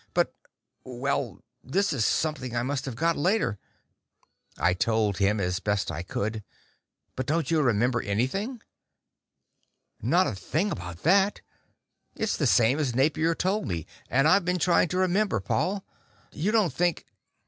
But well, this is something I must have got later...." I told him, as best I could. "But don't you remember anything?" "Not a thing about that. It's the same as Napier told me, and I've been trying to remember. Paul, you don't think